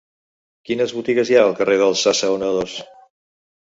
Quines botigues hi ha al carrer dels Assaonadors?